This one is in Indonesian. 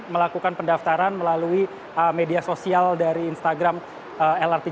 melakukan pendaftaran melalui media sosial dari instagram lrt